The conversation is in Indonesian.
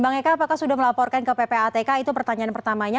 bang eka apakah sudah melaporkan ke ppatk itu pertanyaan pertamanya